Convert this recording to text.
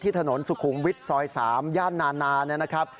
ที่ถนนสุขุงวิทย์ซอย๓ย่านนานานะครับ